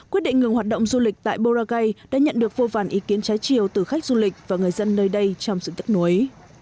quyết định ngừng hoạt động du lịch tại buragay đã nhận được vô vàn ý kiến trái chiều từ khách du lịch và người dân nơi đây trong sự tích nối